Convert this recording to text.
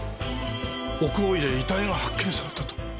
奥大井で遺体が発見されたと。